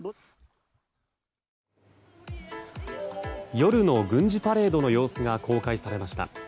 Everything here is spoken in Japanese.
夜の軍事パレードの様子が公開されました。